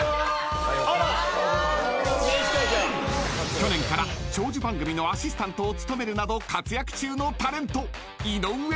［去年から長寿番組のアシスタントを務めるなど活躍中のタレント］